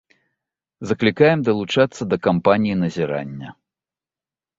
Заклікаем далучацца да кампаніі назірання.